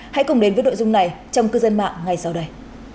hãy cùng đến với nội dung này trong cư dân mạng ngay sau đây